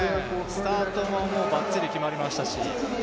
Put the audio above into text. スタートもバッチリ決まりましたし。